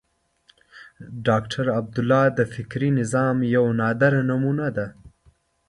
ډاکټر عبدالله د فکري نظام یوه نادره نمونه ده.